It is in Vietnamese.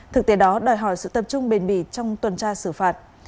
thực tế đó đòi hỏi sự tập trung bền bỉ trong tuần tra xử phạt